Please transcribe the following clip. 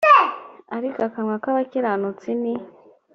ariko akanwa k abakiranutsi ni